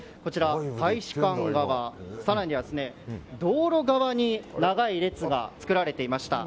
大使館側、更には道路側に長い列が作られていました。